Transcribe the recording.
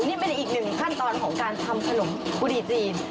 นี่เป็นอีกหนึ่งขั้นตอนของการทำขนมกุหรี่จีน